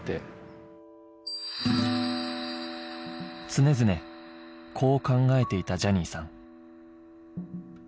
常々こう考えていたジャニーさん